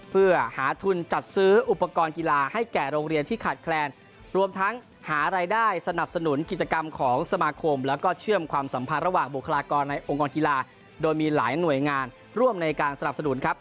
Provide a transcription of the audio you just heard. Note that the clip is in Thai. เพื่อหาทุนจัดซื้ออุปกรณ์กีฬาให้แก่โรงเรียนที่ขาดแคลนรวมทั้งหารายได้สนับสนุนกิจกรรมของสมาคมแล้วก็เชื่อมความสัมพันธ์ระหว่างบุคลากรในองค์กรกีฬาโดยมีหลายหน่วยงานร่วมในการสนับสนุนครับ